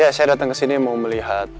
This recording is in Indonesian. ya saya datang kesini mau melihat